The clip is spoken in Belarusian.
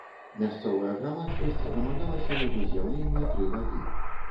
Мясцовая грамадскасць дамагалася яго з'яўлення тры гады.